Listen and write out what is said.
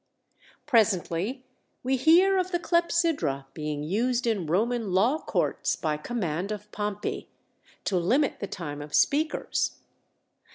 Presently we hear of the clepsydra being used in Roman law courts by command of Pompey, to limit the time of speakers.